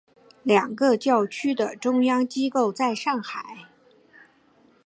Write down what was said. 两个教区的中央机构在上海。